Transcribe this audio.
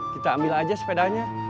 kita ambil aja sepedanya